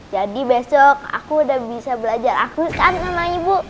jadi besok aku udah bisa belajar akuitan sama ibu